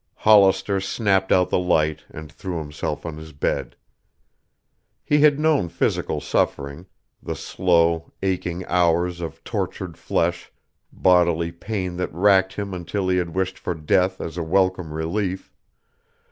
Hollister snapped out the light and threw himself on his bed. He had known physical suffering, the slow, aching hours of tortured flesh, bodily pain that racked him until he had wished for death as a welcome relief.